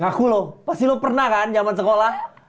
aku loh pasti lo pernah kan zaman sekolah